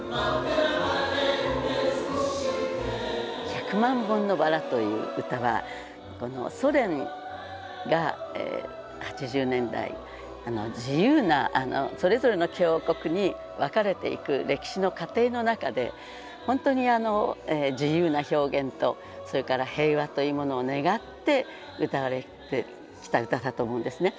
「百万本のバラ」という歌はソ連が８０年代自由なそれぞれの共和国に分かれていく歴史の過程の中で本当に自由な表現とそれから平和というものを願って歌われてきた歌だと思うんですね。